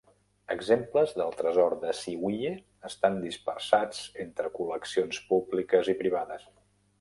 Exemples del "tresor de Ziwiye" estan dispersats entre col·leccions públiques i privades.